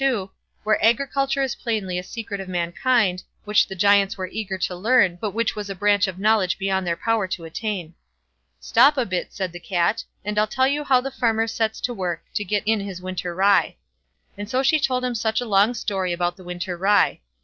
xlii, where agriculture is plainly a secret of mankind, which the Giants were eager to learn, but which was a branch of knowledge beyond their power to attain. "Stop a bit", said the Cat, "and I'll tell you how the farmer sets to work to get in his winter rye." And so she told him such a long story about the winter rye.